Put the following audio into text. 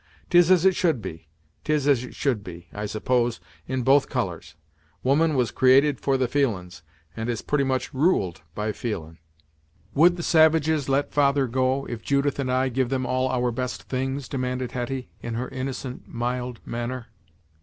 'Tis as it should be 'tis as it should be I suppose, in both colours. Woman was created for the feelin's, and is pretty much ruled by feelin'." "Would the savages let father go, if Judith and I give them all our best things?" demanded Hetty, in her innocent, mild, manner.